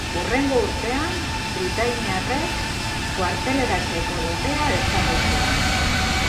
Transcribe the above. Hurrengo urtean, britainiarrek Kuarteleratzeko legea ezarri zuen.